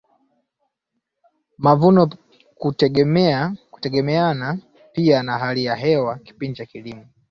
mavuno kutegemeana pia na hali ya hewa kipindi cha kilimo